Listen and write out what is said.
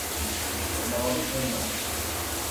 Бо малады твой нос.